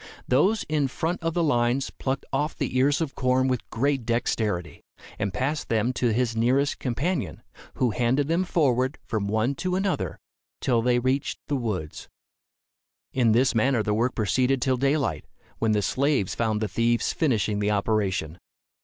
Those in front of the lines plucked off the ears of corn with great dexterity, and passed them to his nearest companion, who handed them forward from one to another, till they reached the woods. In this manner the work proceeded till daylight, when the slaves found the thieves finishing the operation.